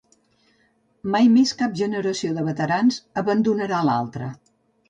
Mai més cap generació de veterans abandonarà l'altra.